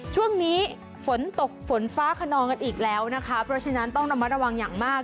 ช่วงนี้ฝนตกฝนฟ้าขนองกันอีกแล้วนะคะเพราะฉะนั้นต้องระมัดระวังอย่างมาก